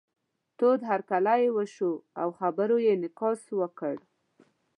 تود هرکلی یې وشو او خبرو یې انعکاس وکړ.